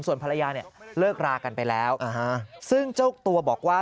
ส่วนภรรยาเนี่ยเลิกรากันไปแล้วซึ่งเจ้าตัวบอกว่า